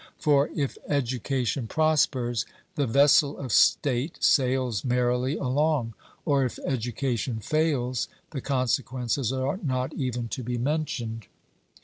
For if education prospers, the vessel of state sails merrily along; or if education fails, the consequences are not even to be mentioned.